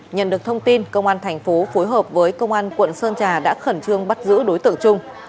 nhận được thông tin công an thành phố phối hợp với công an quận sơn trà đã khẩn trương bắt giữ đối tượng trung